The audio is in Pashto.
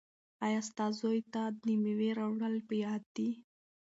ایا ستا زوی ته د مېوې راوړل په یاد دي؟